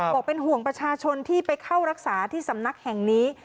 บอกเป็นห่วงประชาชนที่ไปเข้ารักษาที่สำนักแห่งนี้